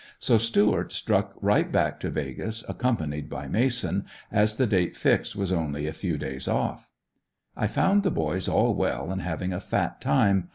So Stuart struck right back to Vegas, accompanied by Mason, as the date fixed was only a few days off. I found the boys all well and having a fat time.